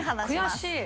悔しい。